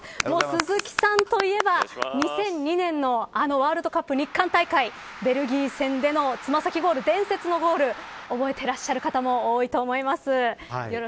鈴木さんといえば２００２年のあのワールドカップ日韓大会ベルギー戦での爪先ゴール伝説のゴール、覚えていらっしゃる方も多いと思います。